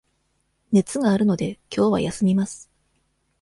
熱があるので、きょうは休みます。